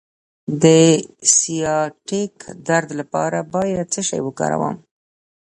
د سیاتیک درد لپاره باید څه شی وکاروم؟